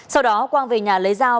sau đó quang về nhà lấy dao